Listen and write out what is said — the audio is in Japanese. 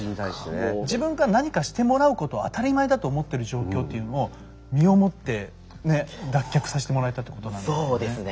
自分から何かしてもらうことを当たり前だと思ってる状況っていうのを身をもってね脱却さしてもらえたってことなんですよね。